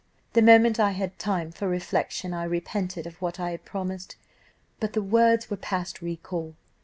The moment I had time for reflection I repented of what I had promised. But the words were past recall.